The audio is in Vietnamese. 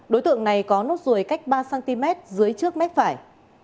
đối tượng này có nốt ruồi cách ba cm dưới trước mép phải